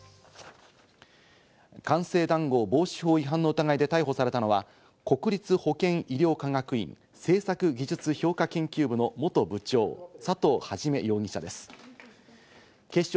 官製談合防止法違反の疑いで逮捕されたのは、国立保健医療科学院政策技術評価研究部の元部長・佐藤元容疑者です。